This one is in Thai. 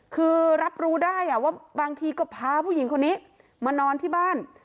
คือรับรู้ได้ว่าบางทีก็พาผู้หญิงคนนี้มานอนที่บ้าน